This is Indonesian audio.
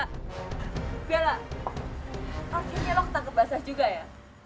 akhirnya lo ketahuan kebasah juga ya